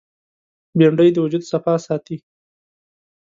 بېنډۍ د وجود صفا ساتي